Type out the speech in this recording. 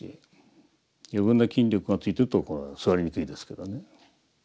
余分な筋力がついてると坐りにくいですけどね。